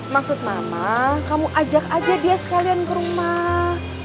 maksud mama kamu ajak aja dia sekalian ke rumah